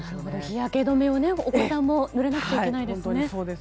日焼け止めをお子さんも塗らなくちゃいけないですね。